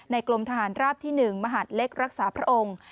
กรมทหารราบที่๑มหาดเล็กรักษาพระองค์